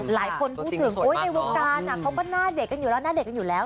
หลายคนพูดถึงในวงการเขาก็หน้าเด็กกันอยู่แล้วหน้าเด็กกันอยู่แล้ว